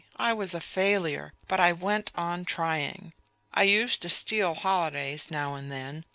I was a failure; but I went on trying.... I used to steal holidays now and then.